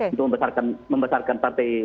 untuk membesarkan partai partai dakwah kayak gini